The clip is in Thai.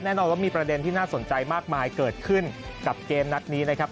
แน่นอนว่ามีประเด็นที่น่าสนใจมากมายเกิดขึ้นกับเกมนัดนี้นะครับ